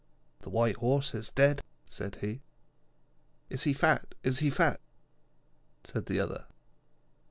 'The white Horse is dead,' said he. 'Is he fat? Is he fat?' said the other.